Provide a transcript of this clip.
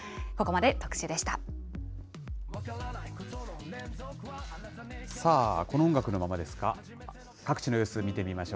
ここまで特集でした。